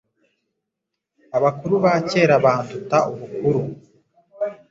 abakuru ba kera banduta ubukuru,